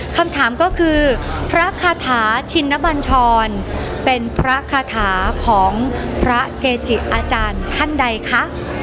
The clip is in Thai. คำถามก็คือพระคาถาชินบัญชรเป็นพระคาถาของพระเกจิอาจารย์ท่านใดคะ